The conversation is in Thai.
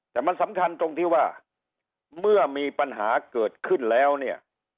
แต่มันสำคัญตรงที่ว่าเมื่อมีปัญหาเกิดขึ้นแล้วเนี่ย